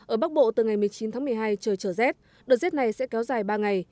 ở bắc bộ từ ngày một mươi chín tháng một mươi hai trời trở rét đợt rét này sẽ kéo dài ba ngày